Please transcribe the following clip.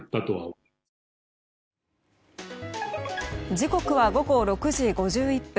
時刻は午後６時５１分。